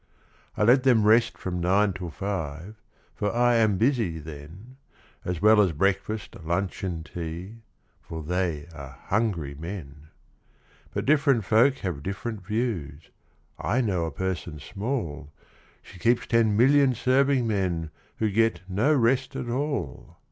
I let them rest from nine till five. For I am busy then, As well as breakfast, lunch, and tea, For they are hungry men: But different folk have different views: I know a person small She keeps ten million serving men, Who get no rest at all!